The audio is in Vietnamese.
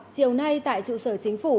chiều nay tại trụ sở chính phủ